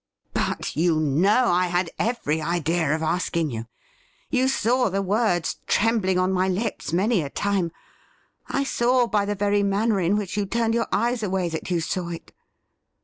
* But you know I had every idea of asking you. You saw the words trembling on my lips many a time. I saw by the very manner in which you turned your eyes away that you saw it.